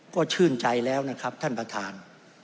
ก็ชื่นใจแล้วนะครับท่านประธาน